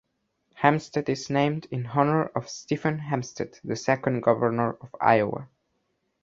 Hempstead is named in honor of Stephen Hempstead, the second governor of Iowa.